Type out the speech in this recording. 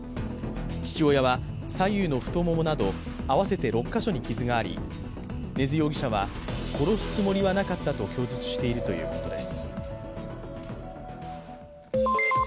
父親は左右の太ももなど合わせて６か所に傷があり根津容疑者は殺すつもりはなかったと供述しているということです。